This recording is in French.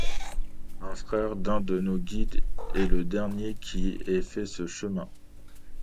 Un frère d'un de nos guides est le dernier qui ait fait ce chemin.